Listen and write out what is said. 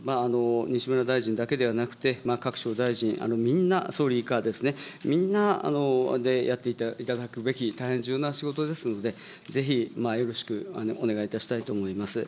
西村大臣だけではなくて、各省大臣、みんな総理以下ですね、みんなでやっていただくべき大変重要な仕事ですので、ぜひ、よろしくお願いいたしたいと思います。